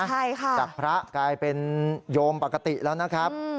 ใช่ค่ะจากพระกลายเป็นโยมปกติแล้วนะครับ